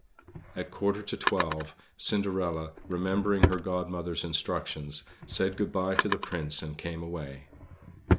At a quarter to twelve, Cinderella, remembering her Godmother's instructions, said good bye to the Prince and came away.